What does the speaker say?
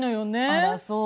あらそう。